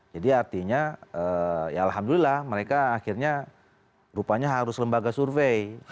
jadi artinya ya alhamdulillah mereka akhirnya rupanya harus lembaga survei